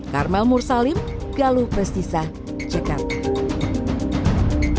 karmel mursalim galuh prestisa jakarta